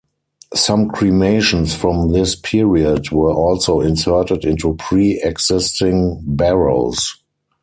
Some cremations from this period were also inserted into pre-existing barrows.